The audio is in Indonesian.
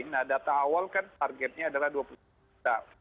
nah data awal kan targetnya adalah dua puluh juta